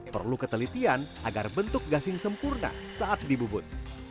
perlu ketelitian agar bentuk gasing sempurna saat dibubut